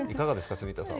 住田さん。